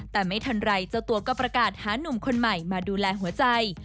แต่ไม่ทันไรเจ้าตัวก็ประกาศหานุ่มคนใหม่มาดูแลหัวใจ